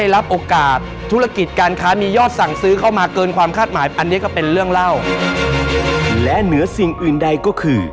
และเหนือสิ่งอื่นใดก็คือ